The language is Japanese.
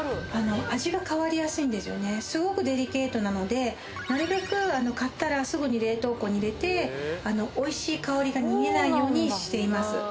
すごくデリケートなのでなるべく買ったらすぐに冷凍庫に入れて美味しい香りが逃げないようにしています